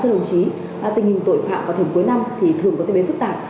thưa đồng chí tình hình tội phạm vào thời cuối năm thì thường có diễn biến phức tạp